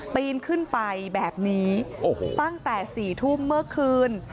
ปีนขึ้นไปแบบนี้ตั้งแต่๔ทุ่มเมื่อคืน